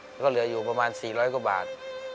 แล้วก็เหลืออยู่ประมาณ๔๐๐กว่าบาท